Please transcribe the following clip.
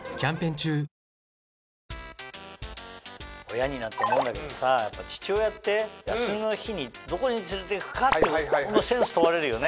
親になって思うんだけどさ父親って休みの日にどこに連れていくかっていうこのセンス問われるよね。